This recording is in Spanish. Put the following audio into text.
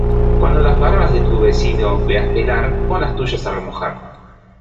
Cuando las barbas de tu vecino veas pelar, pon las tuyas a remojar.